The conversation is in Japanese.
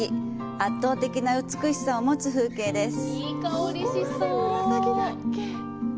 圧倒的な美しさを持つ風景です。